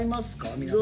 皆さん。